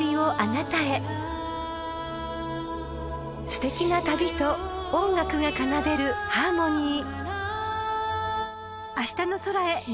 ［すてきな旅と音楽が奏でるハーモニー］